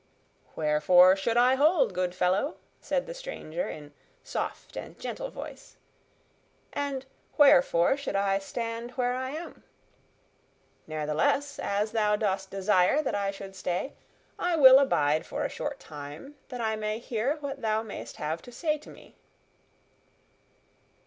"Wherefore should I hold, good fellow?" said the stranger in soft and gentle voice. "And wherefore should I stand where I am? Ne'ertheless, as thou dost desire that I should stay, I will abide for a short time, that I may hear what thou mayst have to say to me."